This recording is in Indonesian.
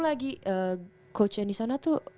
lagi coach yang disana tuh